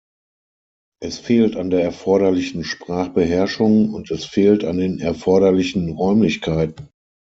Es fehlt an der erforderlichen Sprachbeherrschung, und es fehlt an den erforderlichen Räumlichkeiten.